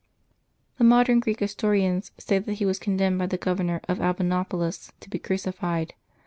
The modern Greek historians say that he was condemned by the governor of Albanopolis to be crucified.